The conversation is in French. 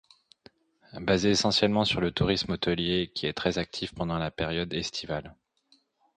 Basée essentiellement sur le tourisme hôtelier qui est très actif pendant la période estivale.